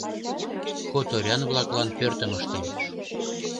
Хуторян-влаклан пӧртым ыштем.